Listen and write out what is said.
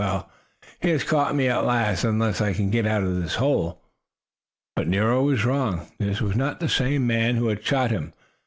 Well, he has caught me at last, unless I can get out of this hole." But Nero was wrong. This was not the same man who had shot him.